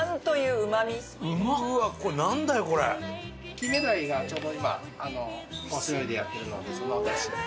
金目鯛がちょうど今オススメでやってるのでそのお出汁です。